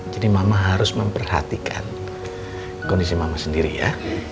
jadi mama harus memperhatikan kondisi mama sendiri ya